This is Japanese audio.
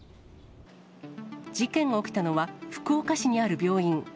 事件が起きたのは、福岡市にある病院。